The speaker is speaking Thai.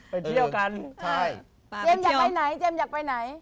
ไปเที่ยวกันใช่